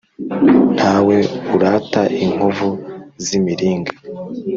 Ntawe urata inkovu z’imiringa.